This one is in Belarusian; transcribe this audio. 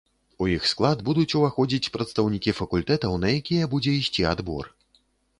У іх склад будуць уваходзіць прадстаўнікі факультэтаў, на якія будзе ісці адбор.